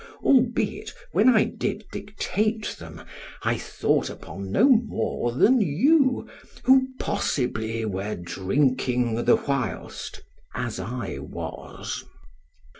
Albeit when I did dictate them, I thought upon no more than you, who possibly were drinking the whilst as I was.